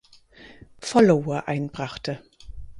Follower einbrachte.